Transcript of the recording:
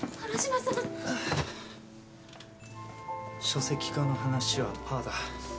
書籍化の話はパーだ。